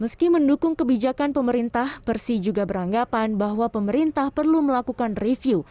meski mendukung kebijakan pemerintah persi juga beranggapan bahwa pemerintah perlu melakukan review